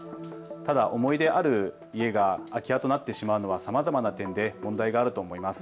ただ思い出ある家が空き家となってしまうのはさまざまな点で問題があると思います。